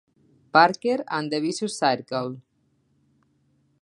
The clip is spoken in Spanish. Parker and the Vicious Circle".